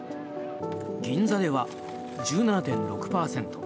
銀座では１７．６％